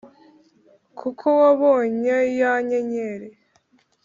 kuko wabonye ya nyenyeri